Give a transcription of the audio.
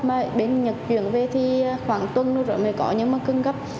mà bên nhật chuyển về thì khoảng tuần rồi mới có những cưng gấp